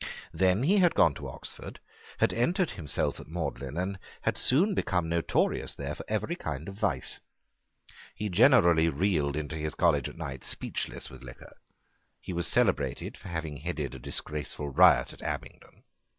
Then he had gone to Oxford, had entered himself at Magdalene, and had soon become notorious there for every kind of vice. He generally reeled into his college at night speechless with liquor. He was celebrated for having headed a disgraceful riot at Abingdon.